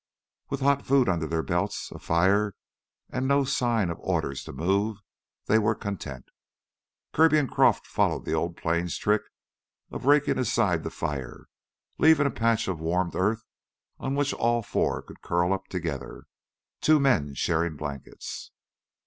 With hot food under their belts, a fire, and no sign of orders to move, they were content. Kirby and Croff followed the old Plains trick of raking aside the fire, leaving a patch of warmed earth on which all four could curl up together, two men sharing blankets.